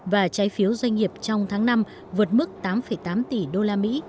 và trái phiếu doanh nghiệp trong tháng năm vượt mức tám tám tỷ đô la mỹ